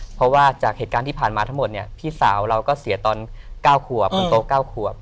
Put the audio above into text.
เพราะว่าจากเหตุการณ์ที่ผ่านมาทั้งหมดเนี่ยพี่สาวเราก็เสียตอน๙ขวบคนโต๙ขวบ